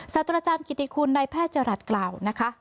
สัตว์อาจารย์กิตตีคลุณในแพคจรัตน์กล่าว